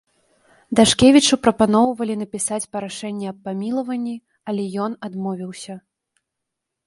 Дашкевічу прапаноўвалі напісаць прашэнне аб памілаванні, але ён адмовіўся.